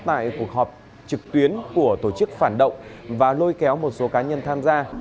tại cuộc họp trực tuyến của tổ chức phản động và lôi kéo một số cá nhân tham gia